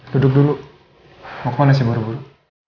duduk dulu mau ke mana sih baru baru